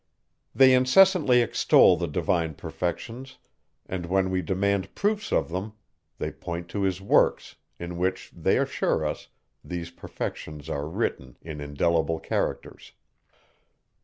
They incessantly extol the divine perfections; and when we demand proofs of them, they point to his works, in which, they assure us, these perfections are written in indelible characters.